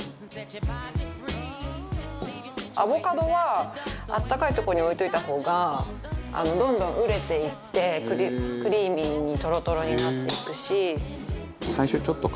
アボカドは暖かいとこに置いといた方がどんどん熟れていってクリーミーにトロトロになっていくし。